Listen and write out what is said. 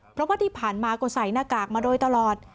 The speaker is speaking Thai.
เพราะว่าที่ผ่านมาก็ใส่หน้ากากมาโดยตลอด